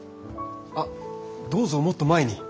あどうぞもっと前に。